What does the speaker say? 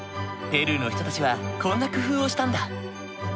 ペルーの人たちはこんな工夫をしたんだ。